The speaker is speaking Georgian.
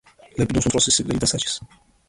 ლეპიდუს უმცროსი სიკვდილით დასაჯეს.